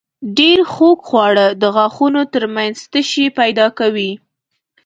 ډېر خوږ خواړه د غاښونو تر منځ تشې پیدا کوي.